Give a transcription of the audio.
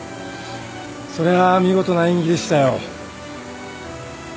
それは見事な演技でしたよ。